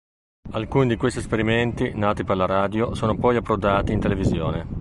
Alcuni di questi esperimenti, nati per la radio, sono poi approdati in televisione.